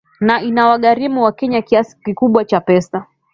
na inawagharimu wakenya kiasi kikubwa cha pesa